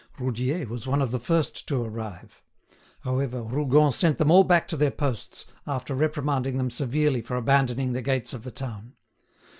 Roudier was one of the first to arrive. However, Rougon sent them all back to their posts, after reprimanding them severely for abandoning the gates of the town.